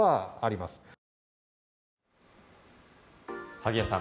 萩谷さん